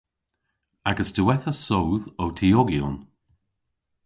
Agas diwettha soodh o tiogyon.